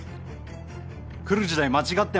来る時代間違ってますけど